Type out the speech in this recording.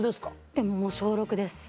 でももう小６です。